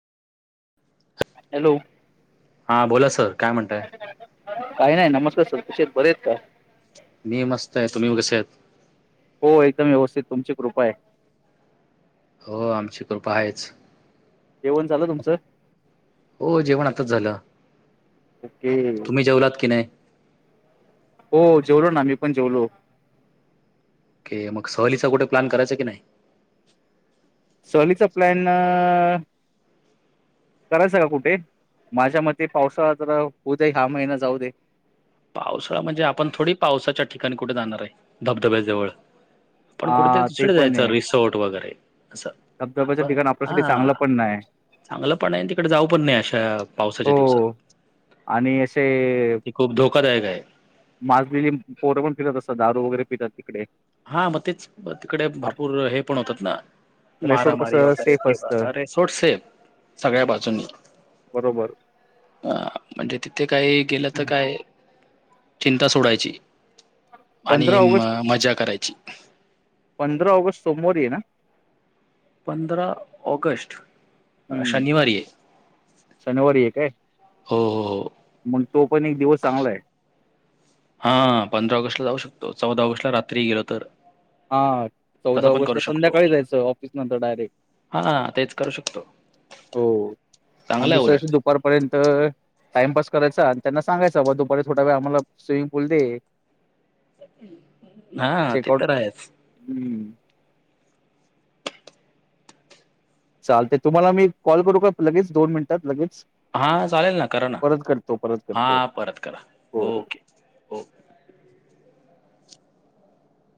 Hello हा बोला sir काय म्हणताय काही नाही नमस्कार सपशेत बरे आहेत का मी मस्त आहे तुम्ही कसे आहेत हो एकदम व्यवस्थित तुमची कृपा आहे हो आमची कृपा आहेच जेवण झालं तुमचं हो जेवण आताच झालं की तुम्ही जेवलात की नाही हो जेवलो ना आ मी पण जेवलो मग सहलीचा कुठे्लन करायचा की नाही सवलीचा प्लॅन करायचं का कुठे माझ्या मते पावसाळा ज होऊ दे्या ह्या महिना जाऊ दे पावसाळा म्हणजे आपण थोडी पावसाच्या ठिकाणी कुठे जाणार आहे धबधब्याजवळ पण आ कुठेतरी ते दुसरं पण जायचं आहे रिसॉर्ट वगैरे असं धबधब्याचं आपण ठिकाण आपल्यासाठी चांगलं हा पण नाही चांगलं पण आहे तिकडे जाऊ पण नाही अशा पावसाच्या हो दिवसात आणि असे ते खूप धोकादायक आहे मास दिली पोरं पण पितात असत दारू वगैरे पितात तिकडे हा मग तेच तिकडे भरपूर हे पण होतात ना रेसोर्ट मारामारी कसं वगैरे सेफ किंवा असतं अरे सोटसेब सगळ्या बाजूनंनी बरोबर अ म्हणजे तिथे काही गेलं तर काय चिंता सोडायची पंधरा आणि ऑगस्ट मजा करायची पंधरा ऑगस्ट सोमवारी आहे ना पधरारा ऑगस्ट अ, हम्म शनिवारी आहे शनिवारी आहे काय हो हो हो मग तो पण एक दिवस चांगला आहे हा पंधरा ऑगस्ट ला जाऊ शकतो चौदा ऑगस्ट ला रात्री गेल तर हा चौदा तसं पण करू ऑगस्टला शकतो संध्याकाळी जायचं ऑफिस नंतर डायरेक्ट हा तेच करू शकतो चांगलंय उलट पर्यंत टाइमपस करायचा आणि त्यांना सांगायच बबा दुपारी थोट्या वे आम्हाला स्विमिंग पूल दे हा ते चेकआउट तर आहेच हम्म चालतंय, तुम्हाला मी कॉल करू का लगेच दोन मिनिटात लगेच? हा चालेल ना करा ना परत करतो परत हा करतो, परत करा हो हो. Okay okay